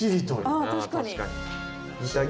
ああ確かに。